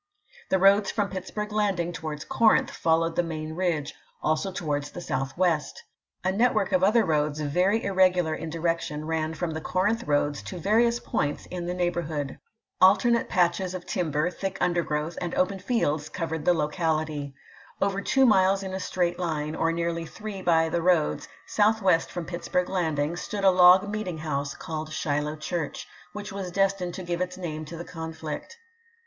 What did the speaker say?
The roads from Pittsburg Landing towards Corinth fol lowed the main ridge, also towards the southwest. A network of other roads, very irregular in direc tion, ran from the Corinth roads to various points in the neighborhood. Alternate patches of timber, THE SHILOH CAMPAIGN 323 thick undergrowth, and open fields covered the ch. xviii. locality. Over two miles in a straight line, or nearly three by the roads, southwest from Pitts burg Landing, stood a log meeting house, called Shiloh Church, which was destined to give its name to the conflict.